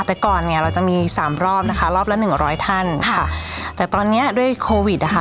แต่ก่อนเนี้ยเราจะมีสามรอบนะคะรอบละหนึ่งร้อยท่านค่ะแต่ตอนเนี้ยด้วยโควิดอ่ะค่ะ